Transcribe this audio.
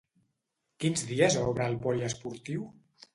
Quins dies obre el poliesportiu?